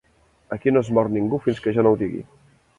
"Aquí no es mor ningú fins que jo no ho digui".